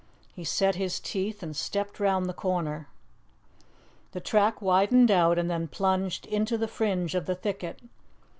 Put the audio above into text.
He set his teeth and stepped round the corner. The track widened out and then plunged into the fringe of the thicket.